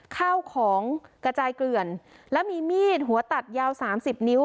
ข้าวของกระจายเกลื่อนแล้วมีมีดหัวตัดยาวสามสิบนิ้ว